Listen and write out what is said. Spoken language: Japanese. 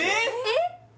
えっ？